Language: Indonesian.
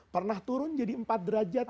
pernah turun jadi empat derajat